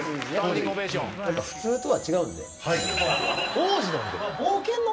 王子なんで。